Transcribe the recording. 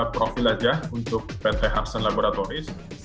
profil aja untuk pt harsen laboratoris